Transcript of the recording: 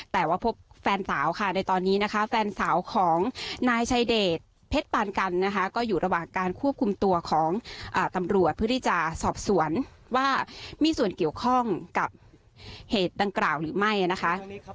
แต่ว่าพบแฟนสาวค่ะในตอนนี้นะคะแฟนสาวของนายชายเดชเพชรปานกันนะคะก็อยู่ระหว่างการควบคุมตัวของตำรวจเพื่อที่จะสอบสวนว่ามีส่วนเกี่ยวข้องกับเหตุดังกล่าวหรือไม่นะคะ